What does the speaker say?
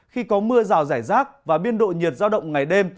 khi có mưa rào rải rác và biên độ nhiệt giao động ngày đêm